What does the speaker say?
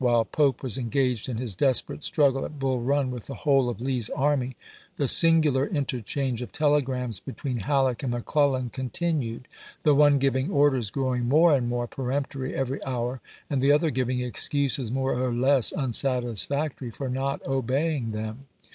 while Pope was engaged in his desperate struggle at Bull Run with the whole of Lee's army, the singu lar interchange of telegrams between Halleck and McClellan continued — the one giving orders grow ing more and more peremptory every hour, and the other giving excuses more or less unsatisfactory for not obeying them.